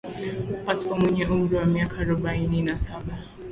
Pascoe mwenye umri wa miaka arobaini na saba